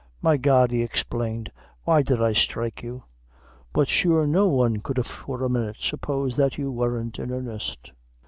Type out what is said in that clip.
"My God," he exclaimed, "why did I strike you? But sure no one could for a minute suppose that you weren't in earnest."